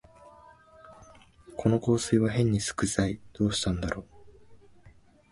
この香水はへんに酢くさい、どうしたんだろう